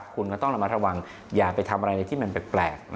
คุณก็ต้องระมัดระวังอย่าไปทำอะไรที่มันแปลก